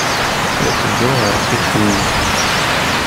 La ttedduɣ ɣer Fukui.